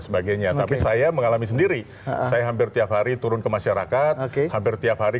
sebagainya tapi saya mengalami sendiri saya hampir tiap hari turun ke masyarakat hampir tiap hari